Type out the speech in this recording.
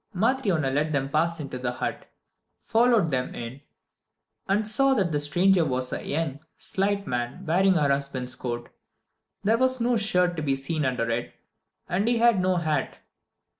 Matryona let them pass into the hut, followed them in, and saw that the stranger was a young, slight man, wearing her husband's coat. There was no shirt to be seen under it, and he had no hat.